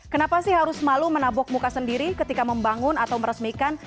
kenapa sih harus malu menabok muka sendiri ketika membangun atau meresmikan